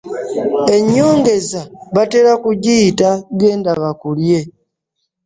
Ennyongeza batera kugiyiga genda bakulye.